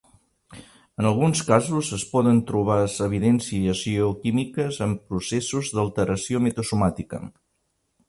En alguns casos, es poden trobar evidències geoquímiques en processos d'alteració metasomàtica.